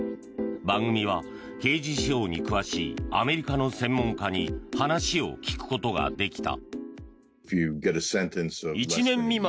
番組は刑事司法に詳しいアメリカの専門家に話を聞くことができた。